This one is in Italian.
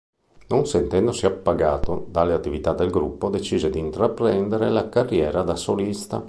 Non sentendosi appagato dalle attività del gruppo decise di intraprendere la carriera da solista.